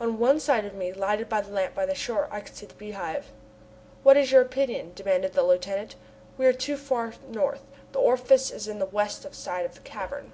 On one side of me, lighted by the lamp by the shore, I could see the Beehive. "What is your opinion?" demanded the lieutenant. "We are too far north. The orifice is in the west side of the cavern."